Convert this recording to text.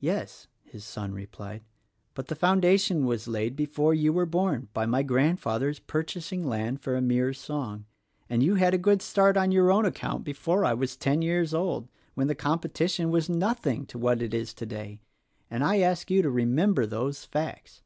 "Yes," his son replied, "but the foundation was laid before you were born by my Grandfather's purchasing land for a mere song, and you had a good start on your own account before I was ten years old — when the com petition was nothing to what it is today, — and I ask you to remember those facts.